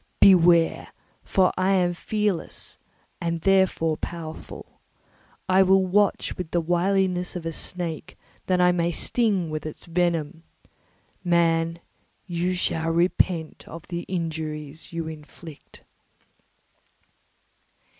Beware, for I am fearless and therefore powerful. I will watch with the wiliness of a snake, that I may sting with its venom. Man, you shall repent of the injuries you inflict."